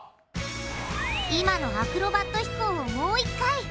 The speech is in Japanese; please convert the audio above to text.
今のアクロバット飛行をもう一回。